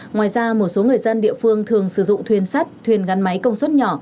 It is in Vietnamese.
ngoài ra một số người dân địa phương thường sử dụng thuyền sắt thuyền gắn máy công suất nhỏ